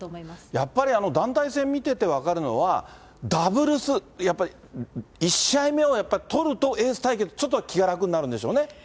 やっぱり団体戦見てて分かるのは、ダブルス、やっぱり１試合目をやっぱり取ると、エース対決、ちょっと気が楽になるんでしょうね。